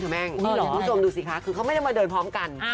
คุณผู้ชมดูสิคะคือเขาไม่ได้มาเดินพร้อมกัน